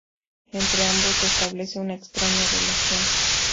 Entre ambos se establece una extraña relación.